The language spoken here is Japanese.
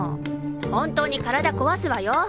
本当に身体こわすわよ！